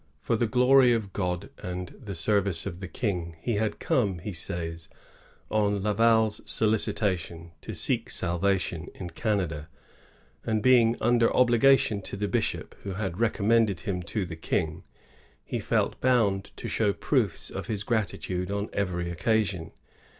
For the glory of God and the service of the King, he had come, he says, on Laval's solicitation, to seek salvation in Canada; and being under obligation to the bishop, who had recommended him to the King, he felt bound to show proofe of his gratitude on every occasion.